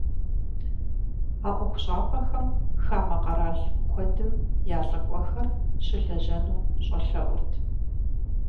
А ӏуэхущӏапӏэм хамэ къэрал куэдым я лӀыкӀуэхэр щылэжьэну щӀэлъэӀурт.